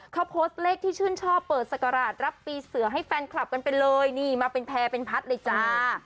เขาโพสต์เลขที่ชื่นชอบเปิดศักราชรับปีเสือให้แฟนคลับกันไปเลยนี่มาเป็นแพร่เป็นพัดเลยจ้า